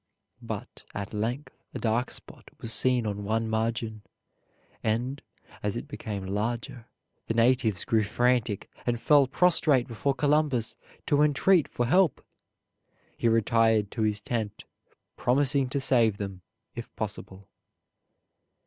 But at length a dark spot was seen on one margin; and, as it became larger, the natives grew frantic and fell prostrate before Columbus to entreat for help. He retired to his tent, promising to save them, if possible.